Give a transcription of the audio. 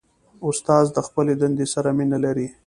استاد د خپلې دندې سره مینه لري.